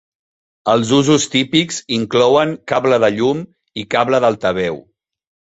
Els usos típics inclouen cable de llum i cable d'altaveu.